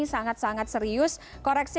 sangat sangat serius koreksi